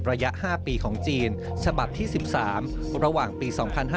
ระยะ๕ปีของจีนฉบับที่๑๓ระหว่างปี๒๕๕๙